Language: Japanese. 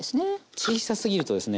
小さすぎるとですね